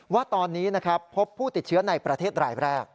ว่าตอนนี้นะครับพบผู้ติดเชื้อในประเทศรายแรก